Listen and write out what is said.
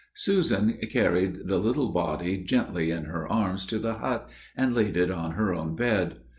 Susan carried the little body gently in her arms to the hut, and laid it on her own bed.